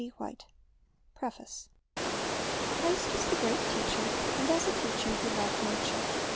J •*■ Preface Christ is the great Teacher; and as a teacher He loved nature.